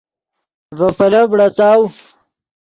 ڤے پیلف بڑاڅاؤ